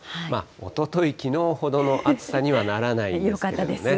おととい、きのうほどの暑さにはならないですけどね。